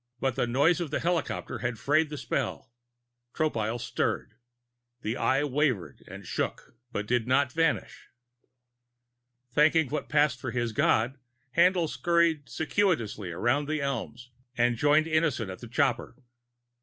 But the noise of the helicopter had frayed the spell. Tropile stirred. The Eye wavered and shook But did not vanish. Thanking what passed for his God, Haendl scuttled circuitously around the elms and joined Innison at the copter.